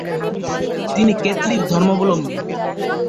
তিনি ক্যাথলিক ধর্মাবলম্বী।